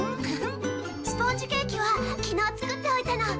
スポンジケーキは昨日作っておいたの。